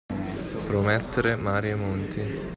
Promettere mare e monti.